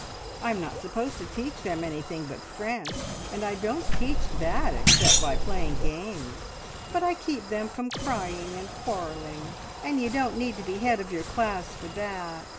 I'm not supposed to teach them anything but French, and I don't teach that except by playing games. But I keep them from crying and quarrelling, and ye don't need to be head of your class for that!